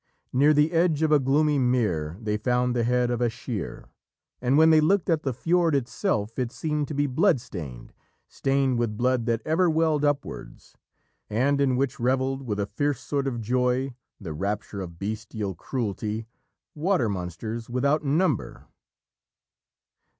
Near the edge of a gloomy mere they found the head of Aschere. And when they looked at the fiord itself, it seemed to be blood stained stained with blood that ever welled upwards, and in which revelled with a fierce sort of joy the rapture of bestial cruelty water monsters without number.